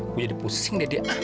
gue jadi pusing deh dia